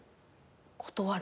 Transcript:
断る。